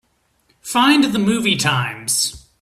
Find the movie times.